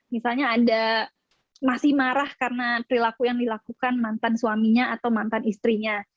misalnya ada masih marah karena perilaku yang dilakukan mantan suaminya atau mantan istrinya